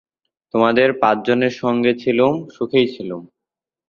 তোমাদের পাঁচজনের সঙ্গে ছিলুম, সুখেই ছিলুম।